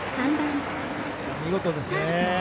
見事ですね。